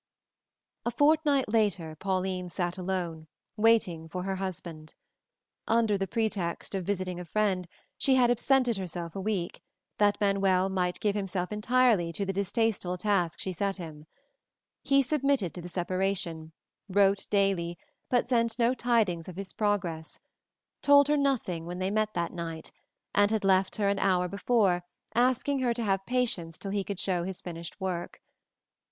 A fortnight later Pauline sat alone, waiting for her husband. Under the pretext of visiting a friend, she had absented herself a week, that Manuel might give himself entirely to the distasteful task she set him. He submitted to the separation, wrote daily, but sent no tidings of his progress, told her nothing when they met that night, and had left her an hour before asking her to have patience till he could show his finished work.